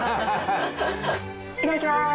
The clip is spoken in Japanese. いただきます。